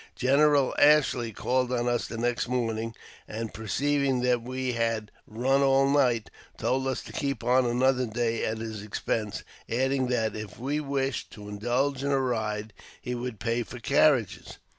General Ashley called on us the next morning, and, perceiving that we had "run all night," told us to keep on another day at his expense, adding that, if we wished to indulge in a ride, he would pay for carriages.